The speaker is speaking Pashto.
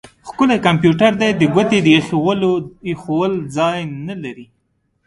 ښکلی کمپيوټر دی؛ د ګوتې د اېښول ځای نه لري.